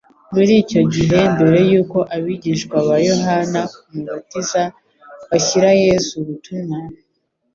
Muri icyo gihe mbere yuko abigishwa ba Yohana Umubatiza bashyira Yesu ubutumwa,